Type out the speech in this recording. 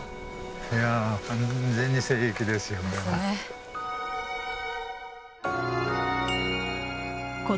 いや完全に聖域ですよこれは。ですね。